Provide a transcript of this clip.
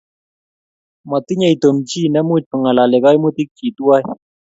Matinyei Tom chi ne much kongalalee kaimutik chi tuwai